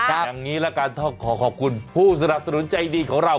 อย่างนี้ละกันต้องขอขอบคุณผู้สนับสนุนใจดีของเรา